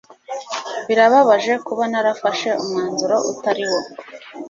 Birababaje kuba narafashe umwanzuro utari wo.